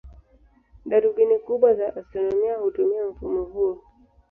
Darubini kubwa za astronomia hutumia mfumo huo.